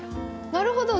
なるほど！